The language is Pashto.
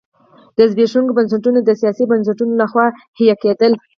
دا زبېښونکي بنسټونه د سیاسي بنسټونو لخوا حیه کېدل.